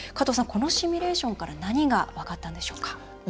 このシミュレーションから何が分かったんでしょうか？